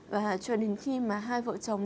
và cho đến khi mà hai vợ chồng